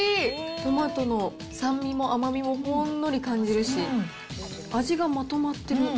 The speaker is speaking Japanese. トマトの酸味も甘みもほんのり感じるし、味がまとまってる。